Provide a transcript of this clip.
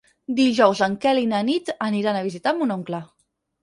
Dijous en Quel i na Nit aniran a visitar mon oncle.